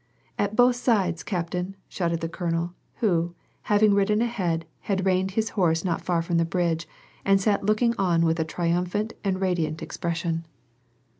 " At both sides, captain," shouted the colonel, who having ridden ahead, had reined in his horse not far from the bridge, and sat looking on with a triumphant and radiant expression.